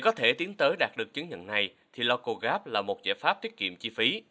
để có thể tiến tới đạt được chứng nhận này thì local gap là một giải pháp tiết kiệm chi phí